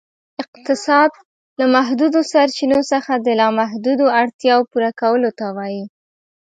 اقتصاد ، له محدودو سرچینو څخه د لا محدودو اړتیاوو پوره کولو ته وایي.